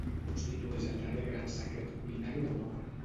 constitueix el darrer gran secret culinari d'Europa